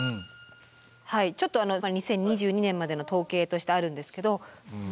はいちょっとあの２０２２年までの統計としてあるんですけど。